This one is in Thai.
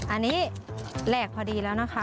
อันนี้แหลกพอดีแล้วนะคะ